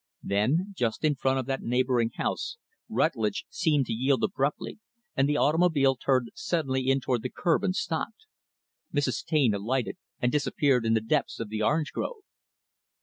Then, just in front of that neighboring house, Rutlidge seemed to yield abruptly, and the automobile turned suddenly in toward the curb and stopped. Mrs. Taine alighted, and disappeared in the depths of the orange grove.